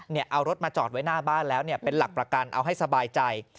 เอารถมาจอดไว้หน้าบ้านแล้วเป็นหลักประกันเอาให้สบายใจ